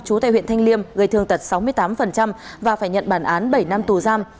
chú tại huyện thanh liêm gây thương tật sáu mươi tám và phải nhận bản án bảy năm tù giam